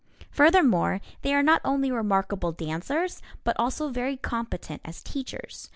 Furthermore, they are not only remarkable dancers, but also very competent as teachers.